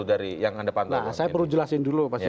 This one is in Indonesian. saya perlu jelasin dulu pak syarifudin